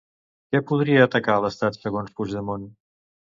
Què podria atacar l'estat segons Puigdemont?